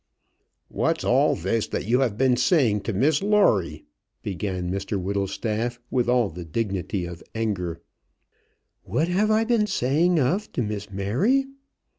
"What's all this that you have been saying to Miss Lawrie?" began Mr Whittlestaff, with all the dignity of anger. "What have I been saying of to Miss Mary?"